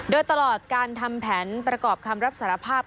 โดยตลอดการทำแผนประกอบคำรับสารภาพ